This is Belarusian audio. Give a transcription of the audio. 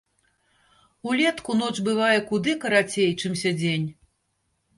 Улетку ноч бывае куды карацей, чымся дзень.